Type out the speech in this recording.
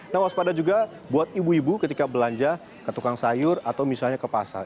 nah waspada juga buat ibu ibu ketika belanja ke tukang sayur atau misalnya ke pasar